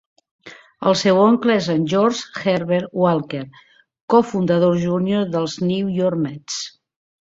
El seu oncle és George Herbert Walker, cofundador Junior dels New York Mets.